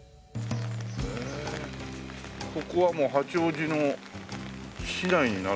ここはもう八王子の市内になるのかな？